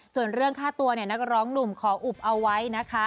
ส่วนเรื่องค่าตัวเนี่ยนักร้องหนุ่มขออุบเอาไว้นะคะ